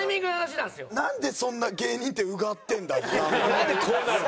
なんでこうなるの？